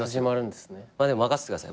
でも任せてください。